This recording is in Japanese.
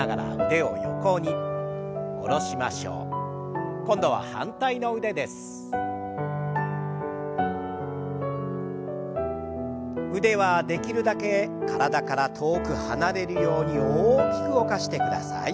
腕はできるだけ体から遠く離れるように大きく動かしてください。